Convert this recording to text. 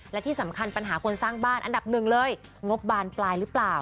และที่สำคัญปัญหาคนสร้างบ้านอันดับหนึ่งเลยงบบานปลายหรือเปล่า